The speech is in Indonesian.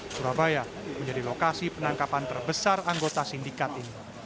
surabaya menjadi lokasi penangkapan terbesar anggota sindikat ini